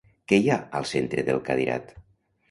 Què hi ha al centre del cadirat?